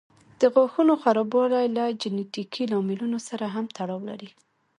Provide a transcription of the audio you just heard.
د غاښونو خرابوالی له جینيټیکي لاملونو سره هم تړاو لري.